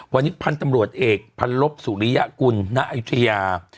วันนี้พันธุ์ตำรวจเอกพันลบสุริยกุลณอายุทยา